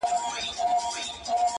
څه وکړمه لاس کي مي هيڅ څه نه وي-